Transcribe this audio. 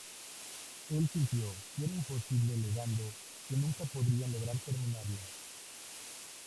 Él sintió que era imposible alegando que nunca podrían lograr terminarla.